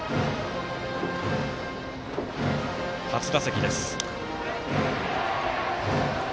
初打席です。